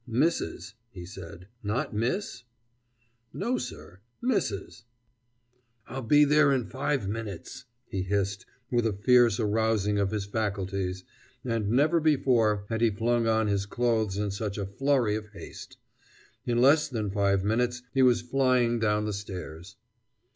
"Mrs.," he said, "not Miss?" "No, sir, Mrs." "I'll be there in five minutes," he hissed with a fierce arousing of his faculties, and never before had he flung on his clothes in such a flurry of haste; in less than five minutes he was flying down the stairs.